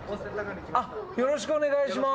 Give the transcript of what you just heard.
よろしくお願いします。